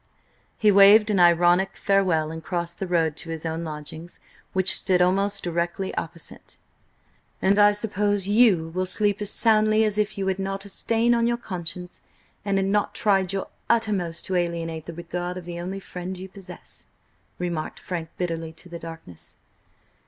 He waved an ironic farewell and crossed the road to his own lodgings, which stood almost directly opposite. "And I suppose you will sleep as soundly as if you had not a stain on your conscience–and had not tried your uttermost to alienate the regard of the only friend you possess," remarked Frank bitterly to the darkness.